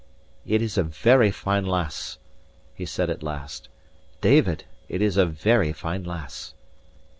"It is a very fine lass," he said at last. "David, it is a very fine lass."